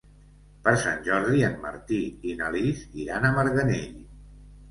Per Sant Jordi en Martí i na Lis iran a Marganell.